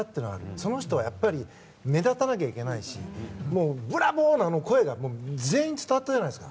その人はやはり目立たなきゃいけないしもう、ブラボー！のあの声が全員に伝わったじゃないですか。